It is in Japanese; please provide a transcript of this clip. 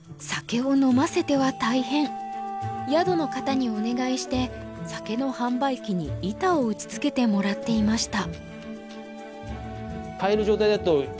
宿の方にお願いして酒の販売機に板を打ちつけてもらっていました。